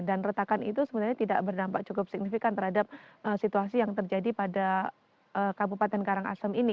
dan retakan itu sebenarnya tidak berdampak cukup signifikan terhadap situasi yang terjadi pada kabupaten karangasem ini